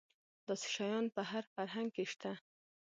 داسې شیان په هر فرهنګ کې شته.